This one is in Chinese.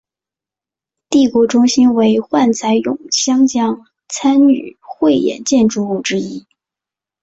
帝国中心为幻彩咏香江参与汇演建筑物之一。